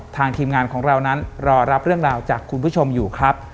ทีมงานของเรานั้นรอรับเรื่องราวจากคุณผู้ชมอยู่ครับ